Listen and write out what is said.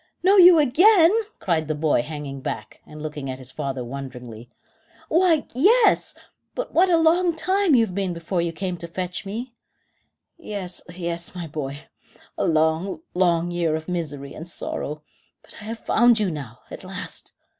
"Know you again!" cried the boy, hanging back, and looking at his father wonderingly. "Why, yes; but what a long time you have been before you came to fetch me." "Yes, yes, my boy; a long, long year of misery and sorrow; but I have found you now, at last."